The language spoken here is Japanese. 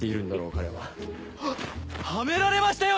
彼は。ははめられましたよ